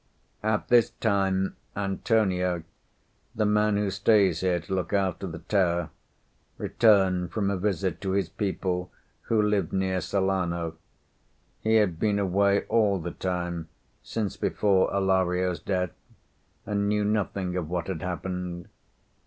At this time, Antonio, the man who stays here to look after the tower, returned from a visit to his people, who live near Salerno. He had been away all the time since before Alario's death and knew nothing of what had happened.